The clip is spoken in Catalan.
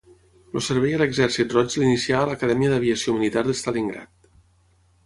El servei a l'Exèrcit Roig l'inicià a l'Acadèmia d'Aviació Militar de Stalingrad.